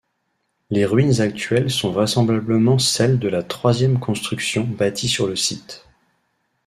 Les ruines actuelles sont vraisemblablement celles de la troisième construction bâtie sur le site.